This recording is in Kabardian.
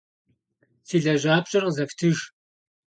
Си лэжьапщӏэр къызэфтыж!